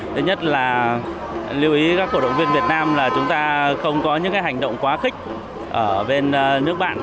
thứ nhất là lưu ý các cổ động viên việt nam là chúng ta không có những hành động quá khích ở bên nước bạn